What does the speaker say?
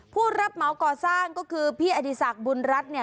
ผู้รับเหมาก่อสร้างก็คือพี่อดีศักดิบุญรัฐเนี่ย